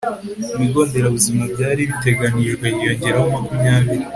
ibigo nderabuzima byari biteganijwe hiyongeraho makumyabiri